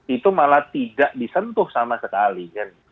itu malah tidak disentuh sama sekali